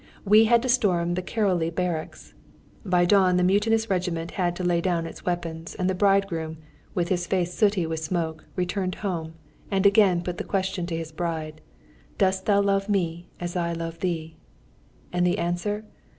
We had to storm the Károly Barracks. By dawn the mutinous regiment had to lay down its weapons, and the bridegroom, with his face sooty with smoke, returned home, and again put the question to his bride, "Dost thou love me as I love thee?" And the answer?